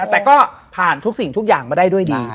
แต่ก็ผ่านทุกสิ่งทุกอย่างมาได้ด้วยดี